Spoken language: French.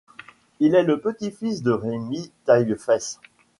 Il est le petit-fils de Rémy Taillefesse.